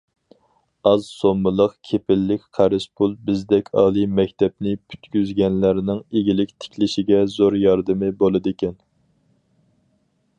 ئاز سوممىلىق كېپىللىك قەرز پۇل بىزدەك ئالىي مەكتەپنى پۈتكۈزگەنلەرنىڭ ئىگىلىك تىكلىشىگە زور ياردىمى بولىدىكەن.